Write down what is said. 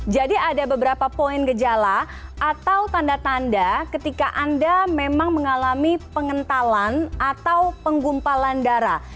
jadi ada beberapa poin gejala atau tanda tanda ketika anda memang mengalami pengentalan atau penggumpalan darah